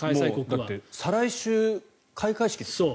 だって再来週、開会式ですもん。